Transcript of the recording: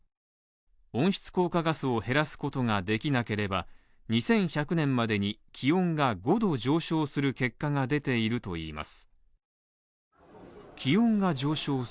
温室効果ガスを減らすことができなければ２１００年までに気温が５度上昇する結果が出ているといいます。